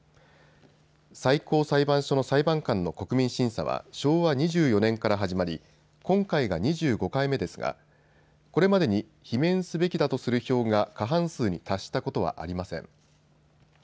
最高裁判所の裁判官の国民審査は昭和２４年から始まり、今回が２５回目ですがこれまでに罷免すべきだとする票が過半数に達したことはありません。